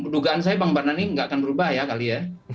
dugaan saya bang bardani nggak akan berubah ya kali ya